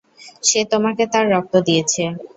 সে তোমাকে তার রক্ত দিয়েছে।